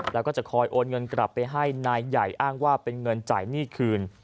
แล้วก็จะคอยโอนเงินกลับไปให้นายใหญ่อ้างว่าเป็นเงินจ่ายหนี้คืน